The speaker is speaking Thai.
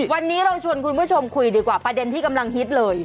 วันนี้เราชวนคุณผู้ชมคุยดีกว่าประเด็นที่กำลังฮิตเลย